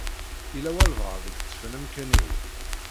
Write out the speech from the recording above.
Yella walebɛaḍ i yeṭṭfen amkan-iw.